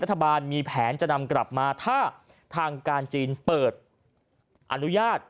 รัฐบาลมีแผนจะนำกลับมาถ้าทางการจีนเปิดอนุญาต